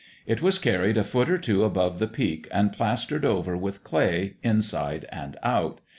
It was carried a foot or two above the peak and plastered over with clay, inside and out.